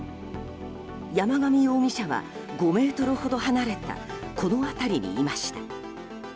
山上容疑者は５ｍほど離れたこの辺りにいました。